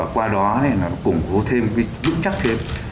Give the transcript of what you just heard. qua đó cũng có thêm vững chắc thêm